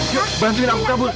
yuk bantuin aku kabur